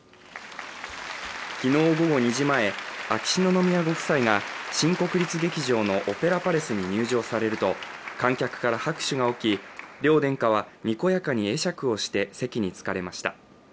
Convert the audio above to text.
昨日午後２時前、秋篠宮ご夫妻が新国立劇場のオペラパレスに入場されると、観客から拍手が起き両殿下はにこやかに会釈をして席に着かれました。